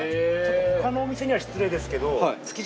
他のお店には失礼ですけど。